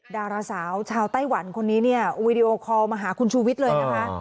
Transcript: ดาราสาวชาวไต้หวันคนนี้เนี่ยวีดีโอคอลมาหาคุณชูวิทย์เลยนะคะ